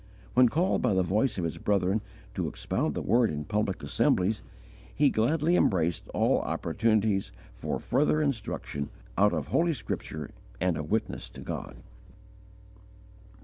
When called by the voice of his brethren to expound the Word in public assemblies, he gladly embraced all opportunities for further instruction out of Holy Scripture and of witness to God.